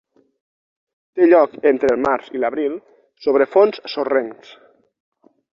Té lloc entre el març i l'abril sobre fons sorrencs.